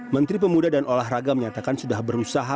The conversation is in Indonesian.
menteri pemuda dan olahraga menyatakan sudah berusaha